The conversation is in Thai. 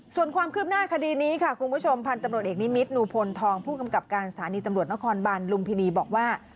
ส่วนนาขดีนี้ค่ะคุณผู้ชมพันตรบเอกนิมิตรนุพลทองผู้กำกับการสถานีตำรวจนครบันลุมพิรรีบอกว่า